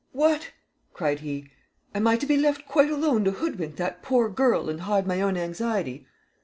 "What!" cried he, "am I to be left quite alone to hoodwink that poor girl and hide my own anxiety?"